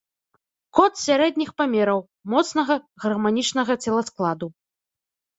Кот сярэдніх памераў, моцнага, гарманічнага целаскладу.